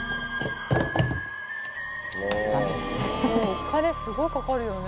お金すごいかかるよね。